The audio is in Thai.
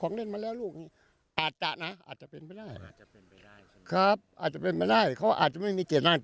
ครับอาจจะเป็นไปได้เขาอาจจะไม่มีเกียรติภูมิ